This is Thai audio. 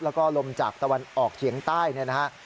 แล้วก็ลมจากตะวันออกเฉียงใต้เนี่ยนะฮะ